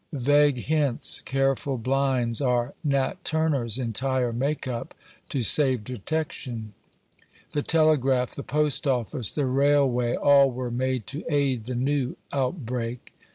Vague hints, careful blinds, are Nat Turner's entire make up to save detection ; the telegraph, the post office, the railway, all were made to aid the new outbreak.